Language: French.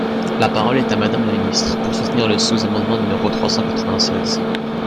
La parole est à Madame la ministre, pour soutenir le sous-amendement numéro trois cent quatre-vingt-seize.